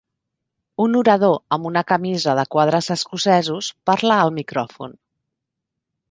Un orador amb una camisa de quadres escocesos parla al micròfon.